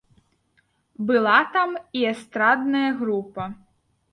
Была там і эстрадная група.